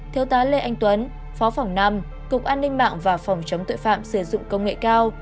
thiếu tá lê anh tuấn phó phòng năm cục an ninh mạng và phòng chống tội phạm sử dụng công nghệ cao